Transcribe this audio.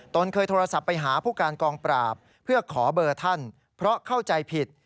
ตนเคยโทรศัพท์ไปหาผู้การกองปราบเพื่อขอเบอร์ท่านเพราะเข้าใจผิด